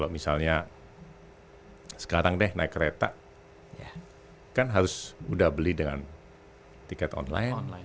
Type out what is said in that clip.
misalnya sekarang deh naik kereta kan harus udah beli dengan tiket online